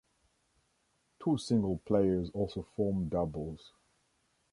Two single players also form doubles.